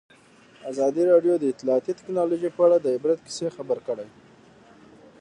ازادي راډیو د اطلاعاتی تکنالوژي په اړه د عبرت کیسې خبر کړي.